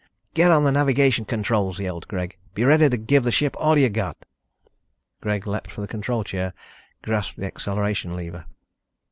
"Get on the navigation controls!" yelled Greg. "Be ready to give the ship all you've got." Greg leaped for the control chair, grasped the acceleration lever.